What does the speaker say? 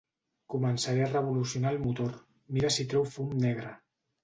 Començaré a revolucionar el motor, mira si treu fum negre.